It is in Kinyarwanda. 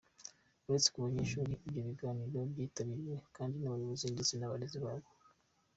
Uretse abo banyeshuri, ibyo biganiro byitabiriwe kandi n’abayobozi ndetse n’abarezi babo.